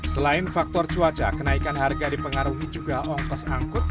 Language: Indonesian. selain faktor cuaca kenaikan harga dipengaruhi juga ongkos angkut